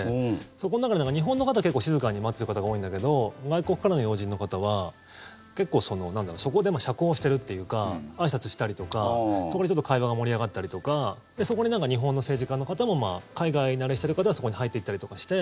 そこの中で、日本の方は結構静かに待っている方が多いんだけど外国からの要人の方は結構そこで社交しているというかあいさつしたりとかそこでちょっと会話が盛り上がったりとかそこに日本の政治家の方も海外慣れしている方はそこに入っていったりとかして。